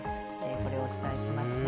これをお伝えしますね。